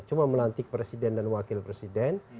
cuma melantik presiden dan wakil presiden